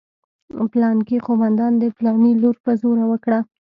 پلانکي قومندان د پلاني لور په زوره وکړه.